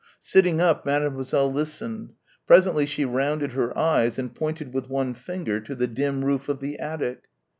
Sitting up, Mademoiselle listened. Presently she rounded her eyes and pointed with one finger to the dim roof of the attic.